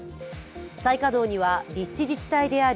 再稼働には立地自治体である